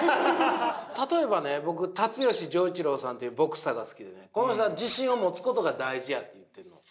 例えばね僕辰一郎さんというボこの人は「自信を持つことが大事や」って言ってんの。